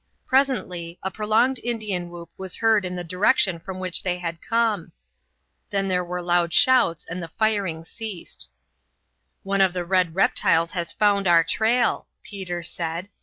Presently a prolonged Indian whoop was heard in the direction from which they had come. Then there were loud shouts and the firing ceased. "One of the red reptiles has found our trail," Peter said.